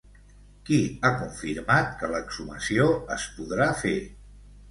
Qui ha confirmat que l'exhumació es podrà fer?